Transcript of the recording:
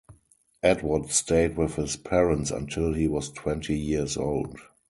Edward stayed with his parents until he was twenty years old.